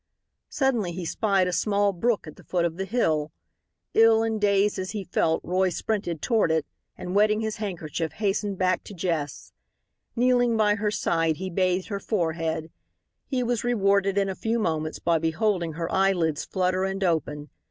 Suddenly he spied a small brook at the foot of the hill. Ill and dazed as he felt Roy sprinted toward it, and wetting his handkerchief hastened back to Jess. Kneeling by her side he bathed her forehead. He was rewarded in a few moments by beholding her eyelids flutter and open.